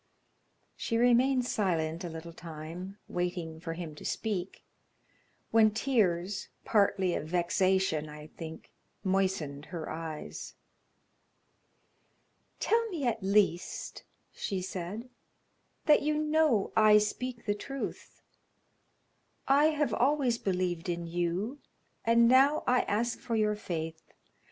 She remained silent a little time, waiting for him to speak, when tears, partly of vexation, I think, moistened her eyes. "Tell me at least," she said, "that you know I speak the truth. I have always believed in you, and now I ask for your faith.